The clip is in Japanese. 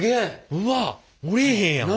うわ折れへんやんか。